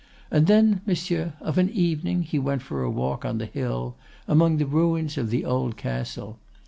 And then, monsieur, of an evening he went for a walk on the hill among the ruins of the old castle.